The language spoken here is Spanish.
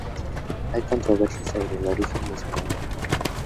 Hay controversia sobre el origen de su nombre.